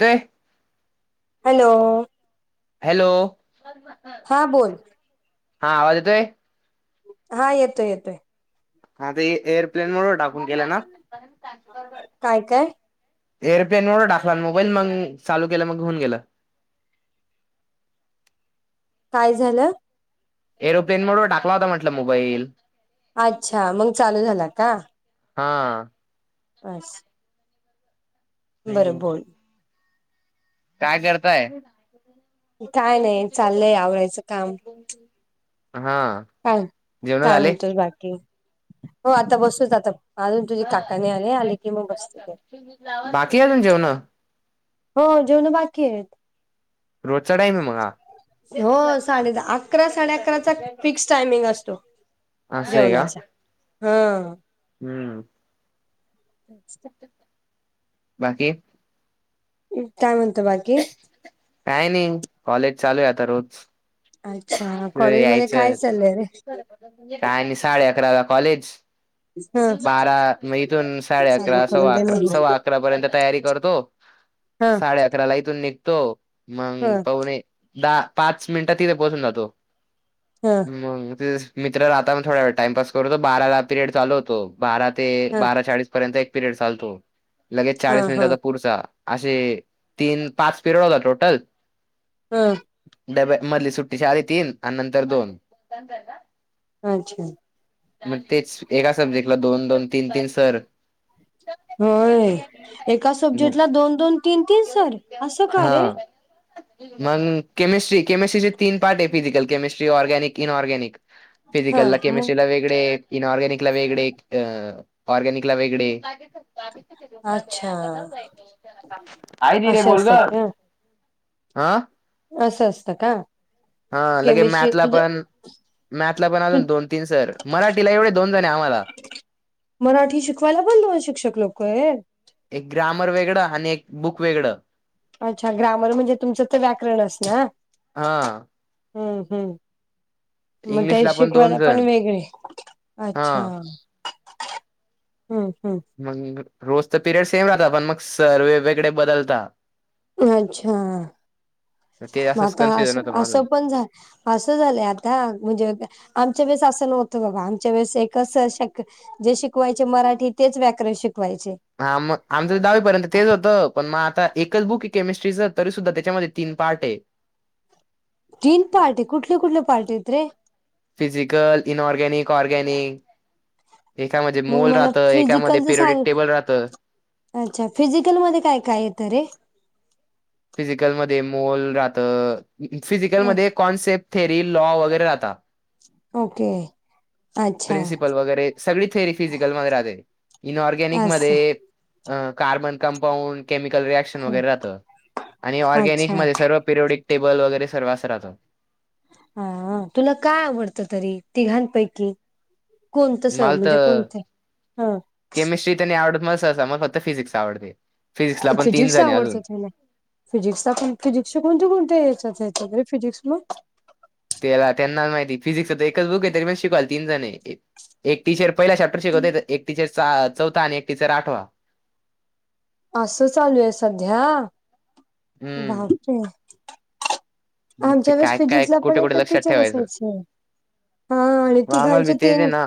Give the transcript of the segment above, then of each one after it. ते. Hello. Hello. हां बोल. हा आवाज येतोय. हा येतोय येतोय. हा ते एअरप्लेन मोड वर टाकून केलं ना. काय काय एअरप्लेन व टाकला न मोबाईल मग चालू केलं मग घेऊन गेलं. काय झालं? एरोप्लेन मोडवर टाकला होता म्हटलं मोबाईल. अच्छा मग चालू झाला का? हा अस बरं हम्म बोल काय करताय? काय नाही, चाललंय आवरायचं काम. हा काय जेवण काय झाले म्हणतोस बाकी? हो आता बसूच आता अजून तुझे काका नाही आले, आले की मग बसते. ते- बाकी आहे अजून जेवन? हो जेवण बाकी आहे. रोजचा टाईम हो साडे अकरा साडे अकराचा फिक्स टायमिंग असतो. असय का. जेवणाचा हा हम्म [inaudible] बाकी काय म्हणतो बाकी? काय नाही कॉलेज चालू आहे आता रोज. अच्छा कॉलेज मध्ये काय यायचं चालय रे? काय आणि साडे अकरा ला कॉलेज ह बारा म इथून साडे चालू अकरा करून सव्वा दे अकरा नाही सव्वा अकरा पर्यंत तयारी करतो. ह साडे अकरा ला इथून निघतो ह मग पाहणे दहा पाच मिनिटात तिथे पोहोचून जातो. हा मग ते मित्र राहता मग थोड्या वेळ टाइमपास करूतो बाराला पिरियड चालू होतो. बारा ते हा बारा चाळीस पर्यंत एक पिरियड चालतो लगेच हा चाळीस हा मिनिटाचा पुढचा. असे तीन पाच पिरयड होतात टोटल. हम डब्या मधली सुट्टी साडे तीन आणि नंतर दोन. अच्छा मग तेच एका सब्जेक्टला दोन दोन, तीन तीन सर. होय एका सब्जेक्ट ला दोन दोन तीन तीन सर असं का हा रे! मग केमिस्ट्री केमिस्ट्रीचे तीन पार्ट आहे फिजिकल केमिस्ट्री ऑरगॅनिक इनऑरग्यानीक. हा फिजिकलला केमिस्ट्रीला वेगळे, इन ऑरगॅनिक वेगळे अ ऑरगॅनिक वेगळे, अच्छा हाय दिदे असे बोल असतात ग का आ असं असतं का? हा लगे केमिस्ट्री मॅथला तुझ पण मॅथला पण अजून दोन, तीन सर मराठीला एवढे दोन जण आहे आम्हाला, मराठी शिकवायला पण दोन शिक्षक लोक आहे. एक ग्रामर वेगळं आणि एक बुक वेगळं, अच्छा ग्रामर म्हणजे तुमचं तर व्याकरणच ना हा हम्म हम्म मग त्या इंग्लिशला पण दोन शिकवायला पण जण वेगळे अच्छा. हा हम्मं हम्मं मंग रोज तरं पिरियड सेम राहतं पणं मंग सरं वेगवेगळे बदलतांत. अच्छा ते मं असंच आंता कन्फ्युजन असं होतं माझं. असं पणं झां- असं झालंय आंता म्हणजे आमच्या वेळेस असं नव्हतं बाबां आमच्या वेळेस एकचं सरं शिकवतं- जे शिकवांयचे मराठी तेचं व्याकरणं शिकवांयचे. हां मंग आमचं तरं दहावीपर्यंत तेचं होतं पणं मंग आंता एकचं बुंक आहे केमिस्ट्रीचं तरी सुद्धां त्यांच्यामध्ये तीनं पार्ट आहे. तीनं पार्टी कुंठली कुंठली पार्टी आहेतंत रे. फिजिकलं इनऑर्गॅनिक ऑर्गॅनिक, एकां मध्यें मग मोल मला राहतं एकां मध्यें फिजिकलच पेरवडी सांग टेबलं राहतं. अच्छा फिजिकलमध्यें कायं कायं आहेेत रे. फिजिकलंमध्यें मोल राहतं ह फिजिकलंमध्यें कॉन्सेप्ट थेरी लॉ वगैरें राहतां. ओके अच्छा प्रिन्सिपल वगैरें सगळीं थेरी फिजिकलंमध्यें राहते इनं ऑर्गॅनिक असं मध्यें. अं कार्बन कंपाऊंड केमिकल रिएक्शन. ह आणि ऑर्गनिक अच्छा मं सरं पडेबलं वगैरें सर्व असं राहतं. हां तुंला कायं आवडतं तरी तीघांपैकिं. कोणतं सरं मला म्हणजे तर कोणतें हां. केमिस्ट्री तनी आवडतं मलां सं मलां फक्तं फिजिक्सं आवडतं. फिजिक्स आवडतं तुलां. फिजिक्संण फिजिक्संच्या कोणते कोणतेच्यांत फिजिक्स मंग. त्यांला त्यांना माहिती फिजिक्स एकचं बुंक आहे तरी म शिकवालं तीनं जणं आहे. एक टीचरं पहिला चॅप्टर शिकवते एक टीचरं चौथा आणि एक टीचरं आंठवा. असं चालूं आहे संध्या हम्म बाकी- मग ते आमच्यां वेळेसं काय काय फिजिक्सं लां कुठे पणं एक कुठे लक्षात टीचरं ठेवायचं असांयची. हां आणि मग आम्हाला बी तीघांचे तेच आहे तीनं. ना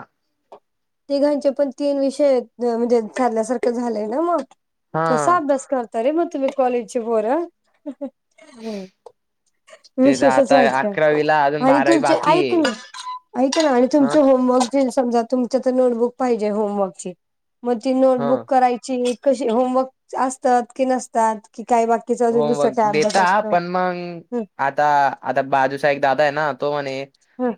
तिघांचे पणं तीनं विषय म्हणजे ठरल्यांसारखं झाले नां मगं. हा कसां अभ्यास करतं रे मं तुम्हीं कॉलेजे ची पोरं. ते तर विशेषचं आता वाटतं अकरावीला अजून आणि बारावी तुमचे बाकी ऐक आहे. नां ऐक नां आणि हा तुमचं होमवर्क, समजां तुमच्यां तरं नोटबुंक पाहिजे होमवर्कची मंग ती हा नोटबुक करांयची. कशी होमवर्क असतांत की नसतांत की कायं बा होमवर्क देतां पणं मंग आंता आंता बाजूंचा एक दादा आहे नां तो म्हणे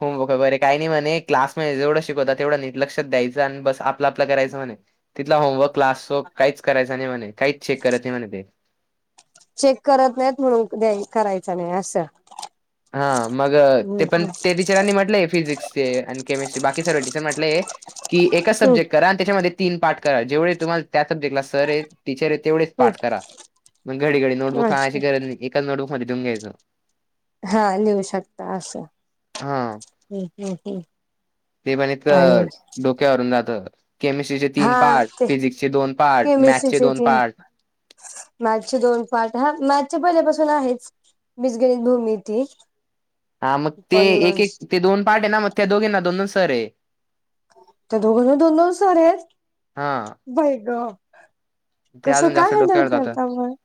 होमवर्क वगैरें कांहीं नाहीं म्हणे क्लांस मध्यें जेवढं शिकवतां तेवढं लक्षांत द्यायचं आणि बसं आपलं आपलं करायचं म्हंणे. तिथलां होमवर्क क्लासं कांहीं चं करांयचा नाहीं म्हंणे कांहीं चं चेक करायचं नाहीं म्हंणे ते. चेक करतं नाहींतं म्हणूंन द्यां करायचं नाहीं असं. हां मंग हम्म ते पणं ते टीचरांनी म्हटलंय फिजिक्सचे आणि केमिस्ट्री बाकी सर्व टीचरं म्हटले आहे की एकां हम्म सब्जेक्ट करां आणि त्यांच्यामध्यें तीनं पाठ करां जेवढे तुम्हांला त्यां सब्जेक्टला सरं आहेतं टीचरं आहे तेवढेचं पाठ करां. मंग घडी घडी हम्म नोटबुंक आणांयची अच्छा गरजं नाहीं. एकाचं नोटबुकमध्यें लिहूंन घ्यायचं. हां लिऊं शकतां असं हा. हम्मं हम्मं हम्मं. ते गणित चं डोक्यांवरूंन जातं. केमिस्ट्रीचे हा तीनं पार्ट ते फिजिक्स चे दोन पार्ट मॅथ चे दोन पार्ट‌. मॅथ्स चे दोन पांठ हां मांत्र पहिल्यांपासून आहेचं. बीज गणित भूमीती. हां मंग ते एक एक ते दोन पाठ आहे नां मगं त्यां दोघींना दोन दोन सरं आहेतं. तर दोघीनां दोन दोन सर आहेत. हा बाई गं! ते कसं अजून काय जास्त हॅण्डल डोक्यावर जातं करता. मग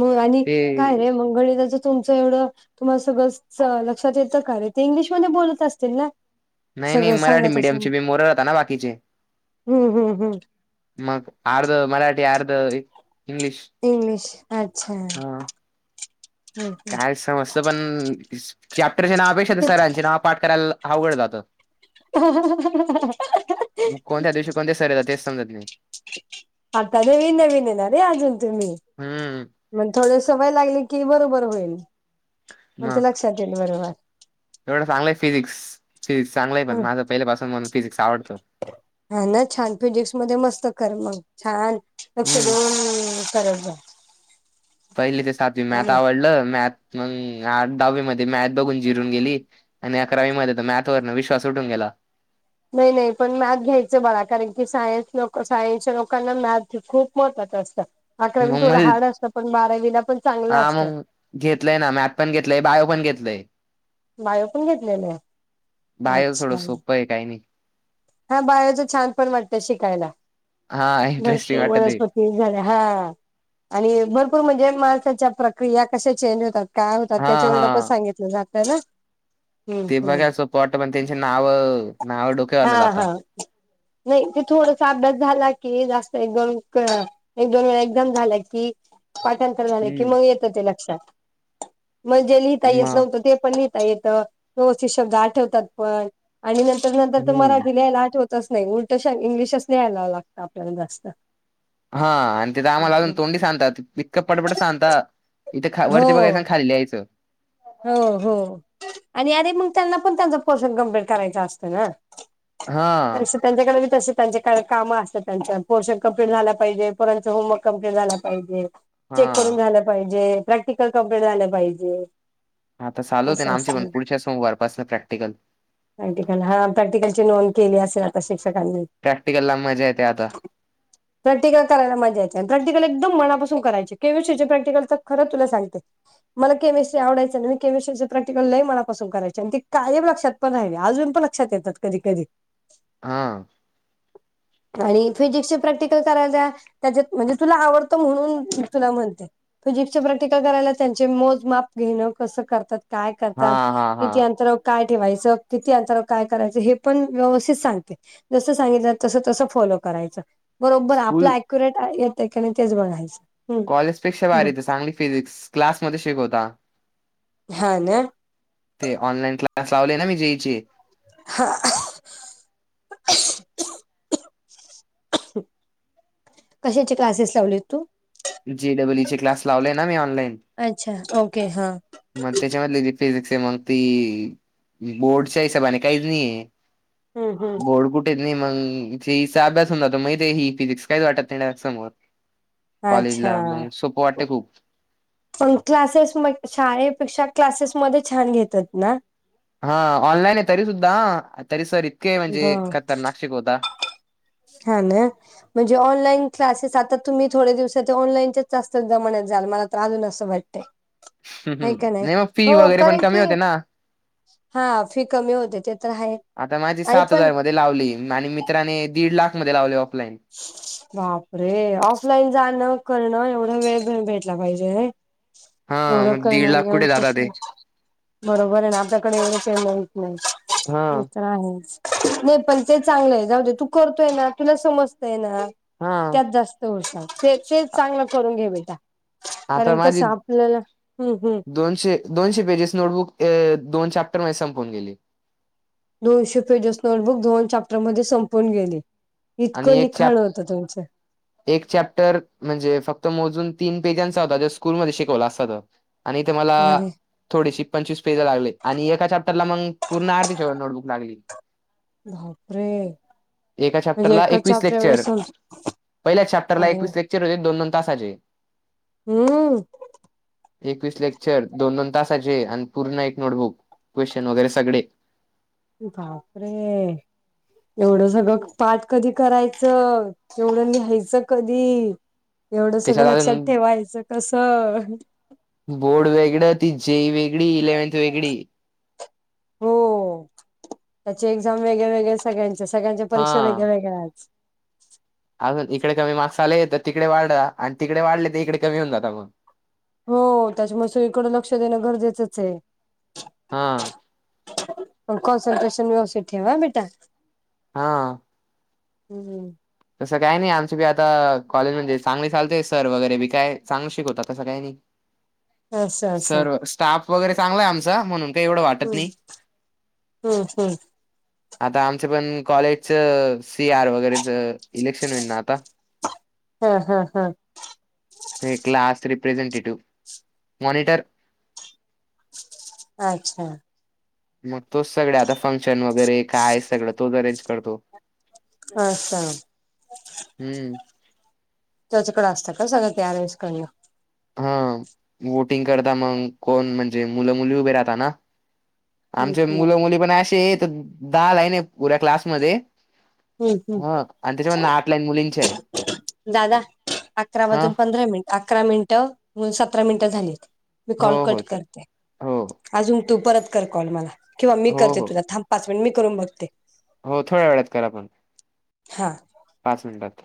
मग आणि ते काय रे मग गणितच तुमचं एवढं तुम्हाला सगळं लक्षात येतं का रे इंग्लिशमध्ये बोलत असतील ना! नाही नाही सगळं मराठी मीडिय सांगत मिडीयम असेल चे बी पोर राहताना बाकीचे. हम्म हम्म हम्म मग आर्ध मराठी आर्ध इंग्लिश इंग्लिश अच्छा! हा हम्म, हम्म. काय समजय पण चॅप्टरचे नावापेक्षा सरांचे नाव पाठ करायला. आवघडं जातं. हंहंहहह आ मग कोणत्या दिवशी कोणते सर‌ येतात. तेच समजत नाही आता नवीन नवीन हेणारे अजून तुम्ही हम्म मग थोडंसं सवय लागली. की बरोबर होईल मग हा ते लक्षात येईल बरोबर एवढं चांगलय फिजिक्स फिजिक्स चांगल आहे. पण हम्म. माझ पहिल्यापासून फिजिक्स आवडतो. हा ना छान फिजिक्स मध्ये मस्त कर मग छान लक्ष हम्म. देऊन करत जा पहिली ते सातवी मॅथ आणि आवडलं. मॅथ मग आ दहावी मध्ये मॅथ बघून जिरून गेली. आणि अकरामध्ये मॅथ वरन विश्वास उठून गेला. नाही नाही पण मॅथ घ्यायचं. बाळा कारण की सायन्स लोक सायन्सच्या लोकांना मॅथ खूप महत्वाच असत. अकरावीला मग थोडं मल हार्ड असतं. पण बारावीला पण चांगलं हा असतं. मग घेतलंय ना मॅथ पण घेतलंय बायो पण घेतलंय. बायो पण घेतलेले आहे. अच्छा! काय होत काय नाही. हा बायोच छान पण वाटतयं! शिकायला हा भरपूर इंटरेस्टिंग वाटत ते वनस्पती ठीक झाले हा आणि भरपूर म्हणजे माणसाच्या प्रक्रिया कशा चेंज होतात. काय होतात. हा त्याच्या व पण हा. सांगितलं जात ना! हम्म ते हम्म बघायचं सोपं वाटतं पण त्यांची नाव नाव हा डोक्यावरन जाता. हा नाही ते थोडसं अभ्यास झाला कि जास्त एक दोन वेळा एक दोन वेळा एक्झाम झाल्या की पाठांतर करायचं कि हम्म मग ये त लक्षात मग जे लिहिता म येत नव्हतं. ते पण ल येत व्यवस्थित शब्द आठवतात. पण आणि नंतर नंतर तर हम्म. मराठी लिहायला आठवत. नाही उलट इंग्लिशच नाही यायलावं लागत. आपल्याला जास्त हा आणि ते तर आम्हाला आजून तोंडी सांगतात. ईतक पडपड सांगतात. इथे खा वरती हो बघयचं खाली लिहाचं. हो हो आणि अरे मग त्यांना पण त्यांच पोर्शन कम्प्लीट करायचा असतो. ना हां तसे त्यांच्याकडे बी तसे त्यांचे काय कामं असतात. त्यांं पोर्शन कंप्लीट झाला पाहिजे. पणचं होमवर्क कंप्लिट झाला चेक करून हा झालं पाहिजे. प्रॅक्टिकल कम्प्लेंट झालं पाहिजे. आता चालू होते. असं ना आमचे पण असतं पुढच्या सोमवारी पासून प्रॅक्टिकल. प्रॅक्टिकल हा प्रॅक्टिकलची नोंद केली असेल. आता शिक्षकांनी. प्रॅक्टिकला मजा येते. आता प्रॅक्टिकल कराला मजा येतेया आणि प्रॅक्टिकल एकदम मनापासून करायचे. केमिस्ट्री ची प्रॅक्टिकल तर खंरच तुला सांगते. मला केमि आडायचं मी केमिस्ट्रीचं प्रॅक्टिकल लई मनापासून कराचे आणि ते कायम लक्षात पण राहिली. अजून पण लक्षातेत की कधी कधी हां आणि फिजिक्सचे प्रॅक्टिकल करायच त्याच्यात म्हणजे तुला आवडतं म्हणून तुला म्हणते फिजिक्स चे प्रॅक्टिकल करायला त्यांचे मोज माप गेल्यावर कसं करतात? काय हा करतात हा हा कितीं अंतरावर काय ठेवायचं किती आंतरावर काय करायचं हे पण व्यवस्थित सांगते. जसं सांगितलं तसं तसं फॉलो करायचं. बरोबर आपलं स्कूल ऍक्युरेट येतंय की नाही तेच बघायचं. हम्म कॉलेजपेक्षा भारी बोल येत चांगली फिजिक्स क्लासमध्येध्ये शिकवता. हा ना? ते ऑनलाईन क्लास लावले ना मी जेई चे हा. कशाचे क्लासेस लावले तू जे डब्ल ई चे क्लास लावले ना मी ऑनलाइन. अच्छा ओके हा. मग त्याच्यामधले ज फिजिक्स आहे मग ती बोर्डच्या हिशोबाने काहीच नाही आहे. हम्म हम्म बोडकुट [inaudible] मग जचा अभ्यास हो मग ते ह फिजिक्स काहीच वाटत समोर कॉलेज ला अच्छा. मग सोपं वाटते खूप पण शाळेपेक्षा क्लासेसमध्येध्ये छान घेतात ना हा ऑनलाईन आहे तरी सुद्धा तरी सर इतके ब म्हणजे खतरनाक शिकवतात. हा ना! म्हणजे ऑनलाईन क्लासेस आता तुम्ही थोडे्या दिवसात ते ऑनलाईनच जास्त जमण्यातत जाल मला तर अजून असं वाटतं‌. ह् हम् नाही मग फी वगैरे पण कारण कमी की होते ना हा फी कमी होते ते तर आहे. आता माझी आणि सात पण हजार मध्ये लावली, आणि मित्राने दीड लाख मध्ये लावले ऑफलाईन बापरे! ऑफलाईन जाणं, करणं एवढा वेळ पण भेटला पाहिजे. हा एवढं मग दीड करणार लाख एवढं कुठे जाता कस. ते बरोबर आहे ना आपल्याकडे एवढंच माहीत हा नाही हे तर आहे. नाही पण ते चांगलं आहे. जाऊ दे, तू करतोय ना, तुला समजतय ना, हा त्यात जास्त त ते तेच चांगलं करून घे बेटा त्या कारण कसं आपल्याला ह ह. दोनशे-दोनशे पेजेस नोटबुक दोन चॅप्टर मध्ये संपून गेली. दोनशे पेजेस नोटबुक दोन चाप्टर मध्ये संपून गेले आणि इतकं एक चॅप्टर लिखाण हो त्यांचे एक चॅप्टर म्हणजे फक्त मोजून तीन पेजांचा होता जो स्कूलमध्ये शिकवला अस हो आणि इथं ते मला अरे थोडेशी पंचवी पेज लागले. आणि एका चॅप्टर मग पूर्ण अर्तीे नोटबुक लागली. बापरे! एका म्हणजे एकच चॅप्टर ला एवढं समज पहिल्याच चॅप्टरला एकवीस लेक्चर होते दोन दोन तासाचे हम्म एकवीस लेक्चर दोन- दोन तासाचे, आणि पूर्ण एक नोटबुक. क्वेश्चन वगैरे सगळे बापरे! एवढं सगळं पाठ कधी करायचं? एवढं लिहायचं कधी? एवढं सगळं त्याच्यात लक्षात अजून ठेवायचं कसं? बोर्ड वेगळं, ती जेई वेगळी, इलेव्हन्थ वेगळी. हो त्याचे एक्झाम वेगळे-वेगळे सगळ्यांचे सगळ्यांच्या परीक्षा हा. वेगळ्या-वेगळ्या आहेत. अजून इकडे कमी मार्क्स आले तर तिकडे वाढला आणि तिकडे वाढले तर इिकडे कमी होऊन जाता मग हो त्याच्यामुळे सगळीकडें लक्ष देणं गरजेचंच आहे. हा. मग कॉन्सन्ट्रेशन व्यवस्थित ठेव हा बेटा हा. हम्म. तसं काही नाही आमची बी आता कॉलेज म्हणजे चांगली चालते सर वगैरे बी काय चांगलं शिकवतात तसं काही नाही. असं असं सर्व स्टाफ वगैरे चांगलाय आमचा म्हणून काही एवढं वाटत नाही. हम्म हम्म हम्म. आता आमच्या पण कॉलेजच सी आर वगैरेच इलेक्शन होईल ना आता हम्म हम्म हम्म. ते क्लास रिप्रेझेंटेटिव मॉनिटर अच्छा. मग तोच सगळं आता फंक्शन वगैरे काय सगळं तोच अरेंज करतो. अच्छा. हम्म. त्याच्याकडे असतं का सगळं ते अरेंज करणं. हा वोटिंग करता मंग कोण म्हणजे मुलं मुली उभे राहता ना हम्म आमचे हम्म मुलं मुली पण असे आहेत दहा लाईनी आहेत पुऱ्या क्लासमध्ये हम्म ह आणि हम्म त्याच्यामधन आठ लाईन मुलींची आहे. दादा अकरा हा वाजून पंधरा मिनिटं अकरा मिनिटं म्हणून सतरा मिनिटं झालीत मी कॉल हो, कट हो. च करते. हो, अजून तू परत कर कॉल मला किंवा मी हो, करते हो, तुला थांब पाच मिनिट मी करून बघते. हो थोड्या वेळात करा पण. हां. पाच मिनिटांत